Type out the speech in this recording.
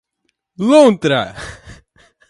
Lontra